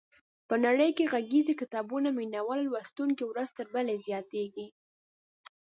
په نړۍ کې د غږیزو کتابونو مینوال او لوستونکي ورځ تر بلې زیاتېږي.